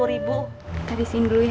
kita disini dulu ya